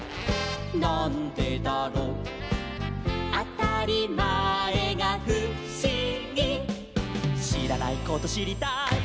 なんでだろう」「あたりまえがふしぎ」「しらないことしりたい」